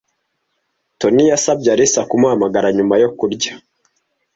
Toni yasabye Alice kumuhamagara nyuma yo kurya.